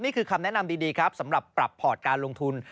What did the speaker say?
นี่คือคำแนะนำดีครับสำหรับปรับพอร์ตการลงทุน